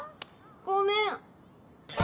ごめん！